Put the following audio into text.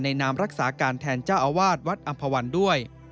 นามรักษาการแทนเจ้าอาวาสวัดอำภาวันด้วย